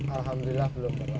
alhamdulillah belum pernah